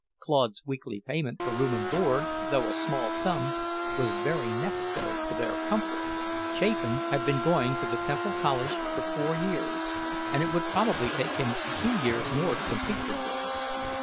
Claude's weekly payment for room and board, though a small sum, was very necessary to their comfort. Chapin had been going to the Temple College for four years, and it would probably take him two years more to complete the course.